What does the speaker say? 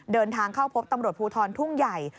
เดินทางเข้าพบตำรวจภูทรทุ่งใหญ่